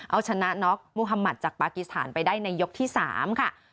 เอาชนะน็อกมุฮามัติจากปากีสถานไปได้ในยกที่๓ค่ะ